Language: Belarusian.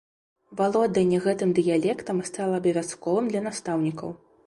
Валоданне гэтым дыялектам стала абавязковым для настаўнікаў.